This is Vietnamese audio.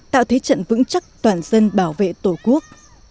tạo thế trận vững chắc toàn dân bảo vệ tổ quốc